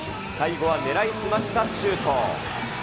最後は狙い澄ましたシュート。